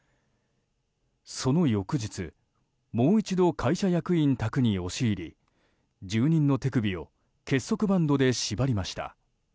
その翌日、もう一度会社役員宅に押し入り住人の手首を結束バンドで縛りました。